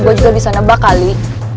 gue juga bisa nebak kali